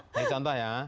saya kasih contoh ya